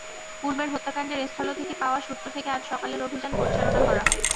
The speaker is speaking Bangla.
পূর্বের হত্যাকাণ্ডের স্থল থেকে পাওয়া সূত্র থেকে আজ সকালের অভিযান পরিচালনা করা হয়।